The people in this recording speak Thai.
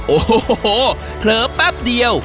โอ้โหเผลอแป๊บเดียว